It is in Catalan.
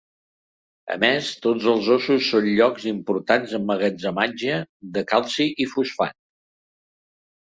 A més, tots els ossos són llocs importants d'emmagatzematge de calci i fosfat.